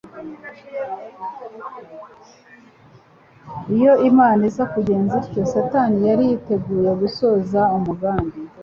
Iyo Imana iza kugenza ityo, Satani yari yiteguye gusohoza umugambi